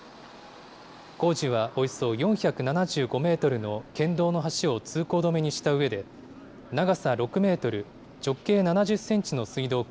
工事はおよそ４７５メートルの県道の橋を通行止めにしたうえで、長さ６メートル、直径７０センチの水道管